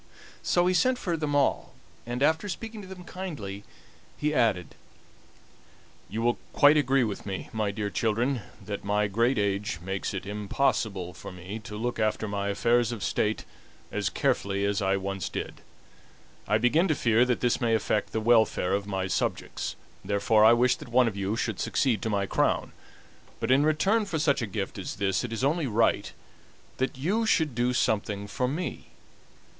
So he sent for them all, and, after speaking to them kindly, he added: "You will quite agree with me, my dear children, that my great age makes it impossible for me to look after my affairs of state as carefully as I once did. I begin to fear that this may affect the welfare of my subjects, therefore I wish that one of you should succeed to my crown; but in return for such a gift as this it is only right that you should do something for me.